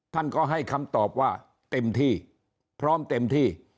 ท่านก็ให้คำตอบว่าเต็มที่พร้อมเต็มที่